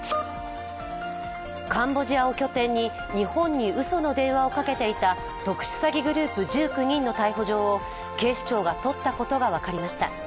カンボジアを拠点に日本にうその電話をかけていた特殊詐欺グループ１９人の逮捕状を警視庁が取ったことが分かりました。